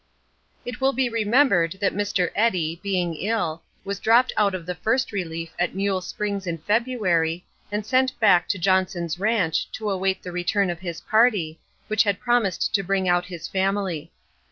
It will be remembered that Mr. Eddy, being ill, was dropped out of the First Relief at Mule Springs in February, and sent back to Johnson's Ranch to await the return of this party, which had promised to bring out his family.